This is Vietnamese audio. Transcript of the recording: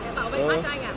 bảo vệ phát cho anh à